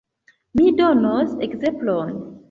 Mi donos ekzemplon.